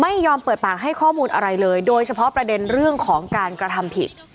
ไม่ยอมเปิดปากให้ข้อมูลอะไรเลยโดยเฉพาะประเด็นเรื่องของการกระทำผิด